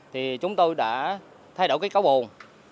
thì chúng tôi đã thay đổi cái cáo bồn